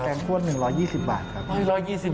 งคั่ว๑๒๐บาทครับ